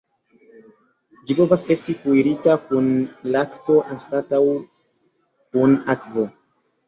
Ĝi povas esti kuirita kun lakto anstataŭ kun akvo.